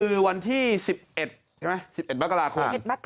คือวันที่๑๑มักกะลาคน